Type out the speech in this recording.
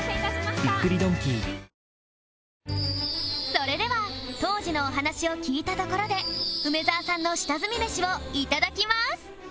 それでは当時のお話を聞いたところで梅沢さんの下積みメシを頂きます